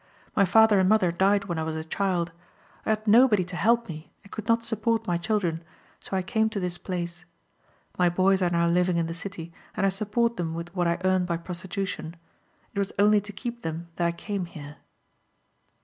My father and mother died when I was a child. I had nobody to help me, and could not support my children, so I came to this place. My boys are now living in the city, and I support them with what I earn by prostitution. It was only to keep them that I came here."